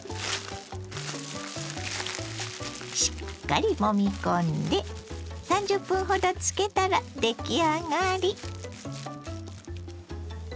しっかりもみ込んで３０分ほど漬けたら出来上がり。